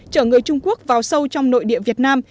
chở người trung quốc vào sâu trong nội địa việt nam